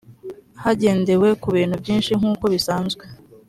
hagendewe ku bintu byinshi nk uko bisanzwe